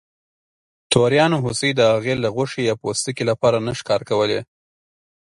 توریانو هوسۍ د هغې له غوښې یا پوستکي لپاره نه ښکار کولې.